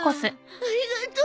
ありがとう。